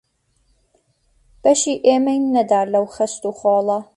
بەشی ئێمەی نەدا لەو خەست و خۆڵە